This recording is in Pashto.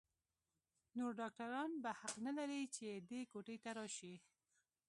نور ډاکتران به حق نه لري چې دې کوټې ته راشي.